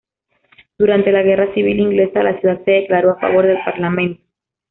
Durante la guerra civil inglesa, la ciudad se declaró a favor del parlamento.